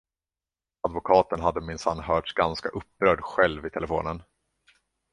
Advokaten hade minsann hörts ganska upprörd själv i telefon.